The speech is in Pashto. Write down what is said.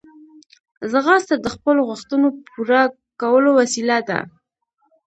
ځغاسته د خپلو غوښتنو پوره کولو وسیله ده